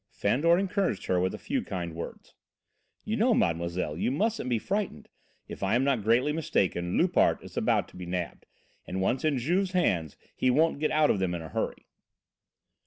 Fandor encouraged her with a few kind words: "You know, mademoiselle, you mustn't be frightened. If I am not greatly mistaken, Loupart is about to be nabbed, and once in Juve's hands he won't get out of them in a hurry."